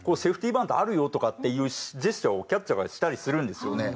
バントあるよとかっていうジェスチャーをキャッチャーがしたりするんですよね。